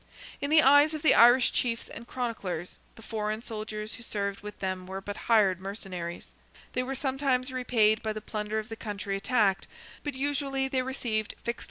In the eyes of the Irish chiefs and chroniclers, the foreign soldiers who served with them were but hired mercenaries. They were sometimes repaid by the plunder of the country attacked, but usually they received fixed wages for the length of time they entered.